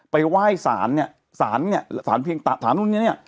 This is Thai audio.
ไปไหว้ศาลนี่ศาลนี่ศาลนู่นนี่